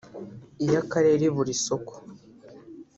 iy’Akarere ibura isoko